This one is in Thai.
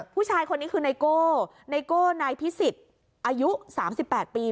ผู้ชายคนนี้คือไนโก้ไนโก้นายพิสิทธิ์อายุ๓๘ปี